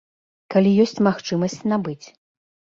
Калі ёсць магчымасць набыць.